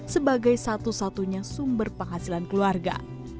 sebagai satu satunya sumber penghasilan keluarga